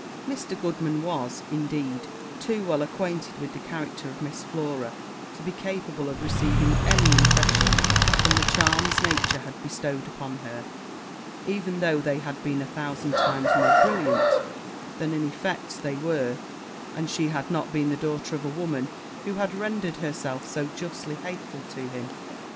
Mr. Goodman was, indeed, too well acquainted with the character of Miss Flora to be capable of receiving any impression from the charms nature had bestowed upon her, even though they had been a thousand times more brilliant than in effect they were, and she had not been the daughter of a woman who had rendered herself so justly hateful to him.